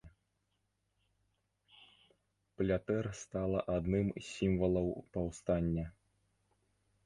Плятэр стала адным з сімвалаў паўстання.